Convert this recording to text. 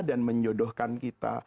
dan menjodohkan kita